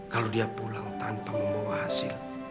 kalau dia pulang tanpa membawa hasil